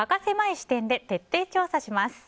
視点で徹底調査します。